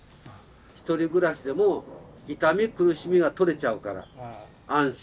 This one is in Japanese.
ひとり暮らしでも痛み苦しみが取れちゃうから安心です。